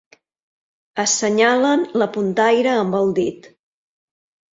Assenyalen la puntaire amb el dit.